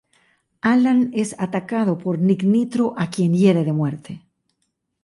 Alan es atacado por Nick Nitro, a quien hiere de muerte.